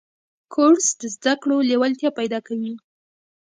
کورس د زده کړو لیوالتیا پیدا کوي.